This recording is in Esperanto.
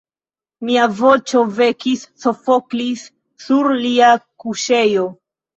Mia voĉo vekis Sofoklis sur lia kuŝejo.